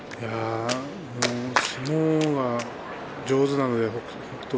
相撲が上手なので北勝